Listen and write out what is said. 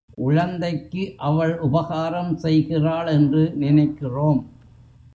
குழந்தைக்கு அவள் உபகாரம் செய்கிறாள் என்று நினைக்கிறோம்.